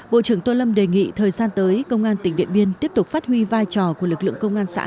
bộ trưởng tô lâm đề nghị thời gian tới công an tỉnh điện biên tiếp tục phát huy vai trò của lực lượng công an xã